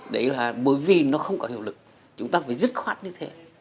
đấy là bởi vì nó không có hiệu lực chúng ta phải dứt khoát như thế